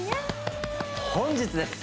本日です